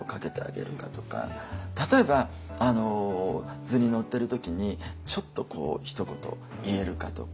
例えば図に乗ってる時にちょっとこうひと言言えるかとか。